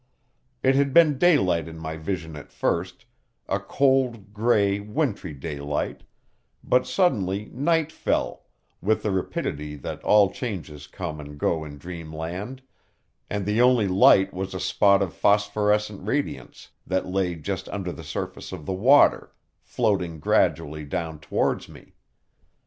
It had been daylight in my vision at first a cold, grey, wintry daylight but suddenly night fell, with the rapidity that all changes come and go in dreamland, and the only light was a spot of phosphorescent radiance that lay just under the surface of the water, floating gradually down towards me.